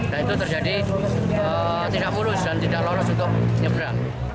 dan itu terjadi tidak mulus dan tidak lolos untuk nyebrang